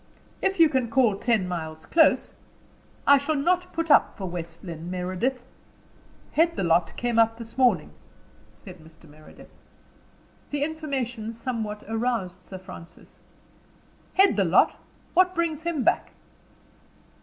"If you call ten miles close. I shall not put up for West Lynne, Meredith." "Headthelot came up this morning," said Mr. Meredith. The information somewhat aroused Sir Francis. "Headthelot? What brings him back?"